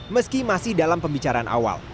meski masih dalam pembicaraan awal